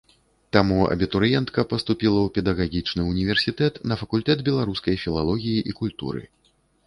Таму абітурыентка паступіла ў педагагічны ўніверсітэт на факультэт беларускай філалогіі і культуры.